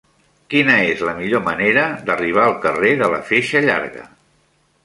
Quina és la millor manera d'arribar al carrer de la Feixa Llarga?